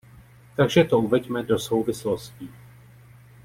Takže to uveďme do souvislostí.